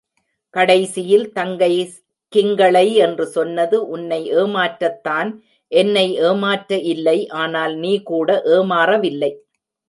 கடைசியில் தங்கை கிங்களை என்று சொன்னது உன்னை ஏமாற்றத்தான், என்னை ஏமாற்ற இல்லை... ஆனால், நீ கூட ஏமாறவில்லை?